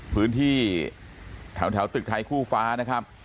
พื้นที่แถวตึกไทยคู่ฟ้านะครับ